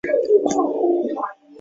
内蒂答应写信后被迫离开。